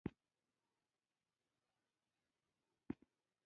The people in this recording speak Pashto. هر ښه کار بايد هره ورځ وسي.